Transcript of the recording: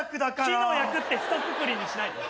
木の役ってひとくくりにしないで。